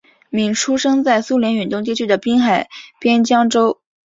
闵出生在苏联远东地区的滨海边疆州。